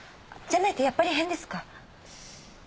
じゃないとやっぱり変ですか？